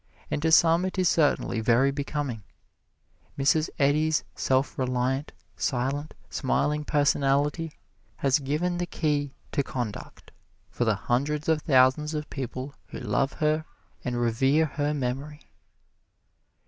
And to some it is certainly very becoming. Mrs. Eddy's self reliant, silent, smiling personality has given the key to conduct for the hundreds of thousands of people who love her and revere her memory.